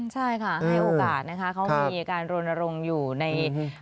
ใช่ค่ะให้โอกาสนะคะเขามีการรณรงค์อยู่ใน